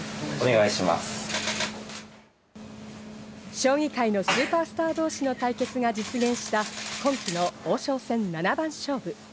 将棋界のスーパースター同士の対決が実現した今期の王将戦七番勝負。